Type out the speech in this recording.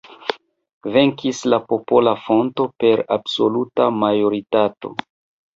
Venkis la Popola Fronto per absoluta majoritato.